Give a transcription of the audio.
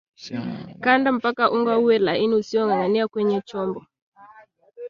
Kanda mpaka unga uwe laini usiongangania kwenye chombo